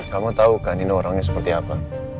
kamu tau kan nino orangnya seperti apa